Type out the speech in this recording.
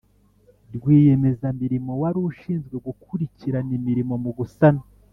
Rwiyemezamirimo wari ushinzwe gukurikirana imirimo mu gusana